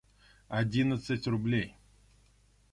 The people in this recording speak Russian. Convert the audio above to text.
Одиннадцать рублей.